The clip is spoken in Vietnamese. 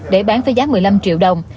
để bán với giá một mươi năm triệu đồng